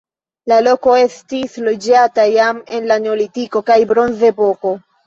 La loko estis loĝata jam en la neolitiko kaj bronzepoko.